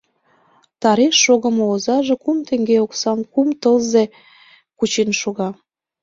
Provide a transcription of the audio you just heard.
Тареш шогымо озаже кум теҥге оксам кум тылзе кучен шога.